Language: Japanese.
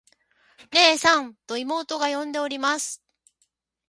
「ねえさん。」と妹が呼んでおります。